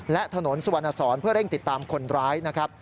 และถนนสวนสอนเพื่อเร่งติดตามคนร้าย